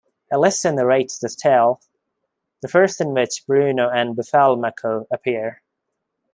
Elissa narrates this tale, the first in which Bruno and Buffalmacco appear.